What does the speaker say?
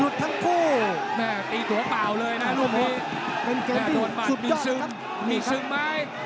โดนมันมีซึมมีซึมไม๊